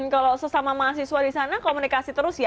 kalau sesama mahasiswa di sana komunikasi terus ya